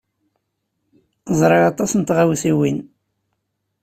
Ẓriɣ aṭas n tɣawsiwin.